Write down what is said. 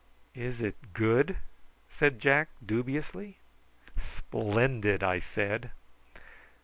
"Is it good?" said Jack, dubiously. "Splendid," I said.